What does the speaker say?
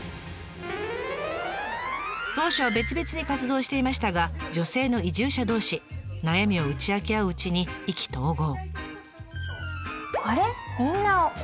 当初は別々に活動していましたが女性の移住者同士悩みを打ち明け合ううちに意気投合。